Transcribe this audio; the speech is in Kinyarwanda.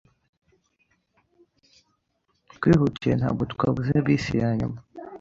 Twihutiye, ntabwo twabuze bisi yanyuma.